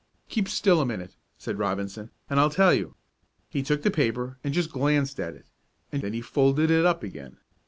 "Keep still a minute," said Robinson, "and I'll tell you. He took the paper and just glanced at it, and then he folded it up again.